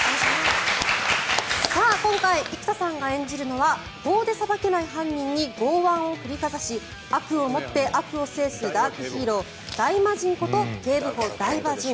今回生田さんが演じるのは法で裁けない犯人に剛腕を振りかざし悪をもって悪を制すダークヒーローダイマジンこと警部補、台場陣。